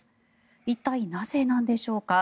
一体、なぜなんでしょうか。